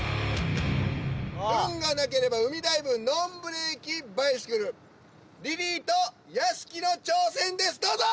運がなければ海ダイブＮＯＮブレーキバイシクルリリーと屋敷の挑戦ですどうぞ！